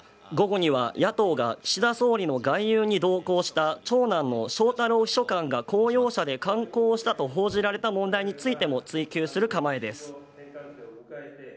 午後には野党が岸田総理の外遊に同行した長男の翔太郎秘書官が公用車で観光をしたと報じられた問題についても追及する構えです。